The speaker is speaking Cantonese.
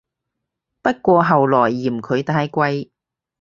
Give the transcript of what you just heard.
不過後來嫌佢太貴